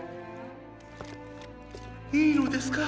いいのですか？